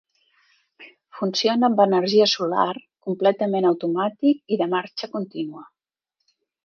Funciona amb energia solar, completament automàtic i de marxa continua.